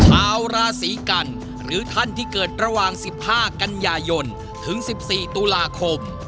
ชาวราศีกันหรือท่านที่เกิดระหว่าง๑๕กันยายนถึง๑๔ตุลาคม